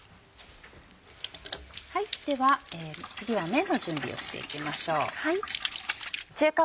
では次はめんの準備をしていきましょう。